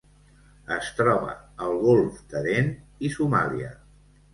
Es troba al Golf d'Aden i Somàlia.